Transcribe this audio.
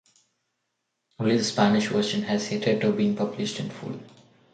Only the Spanish version has hitherto been published in full.